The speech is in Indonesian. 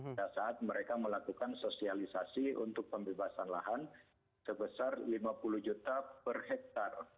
pada saat mereka melakukan sosialisasi untuk pembebasan lahan sebesar lima puluh juta per hektare